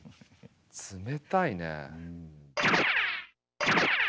冷たいね。